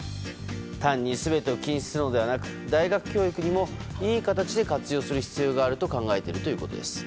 単に全てを禁止するのではなく大学教育にもいい形で活用する必要があると考えているということです。